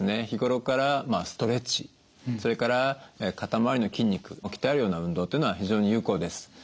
日頃からストレッチそれから肩周りの筋肉を鍛えるような運動というのは非常に有効です。